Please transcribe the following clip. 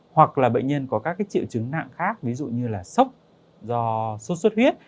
hoặc là bệnh nhân có các triệu chứng nặng khác ví dụ như là sốc do sốt xuất huyết